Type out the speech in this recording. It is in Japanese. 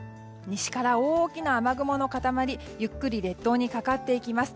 西から大きな雨雲の塊ゆっくり列島にかかっていきます。